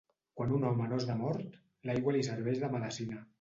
Quan un home no és de mort, l'aigua li serveix de medecina.